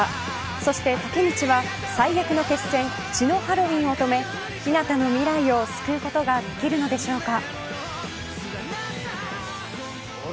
そしてタケミチは最悪の決戦血のハロウィンを止めヒナタの未来を救うことができるのでしょうか。